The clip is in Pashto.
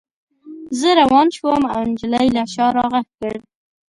زه روان شوم او نجلۍ له شا را غږ کړ